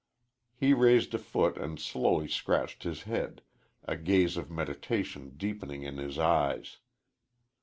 He raised a foot and slowly scratched his head, a gaze of meditation deepening in his eyes.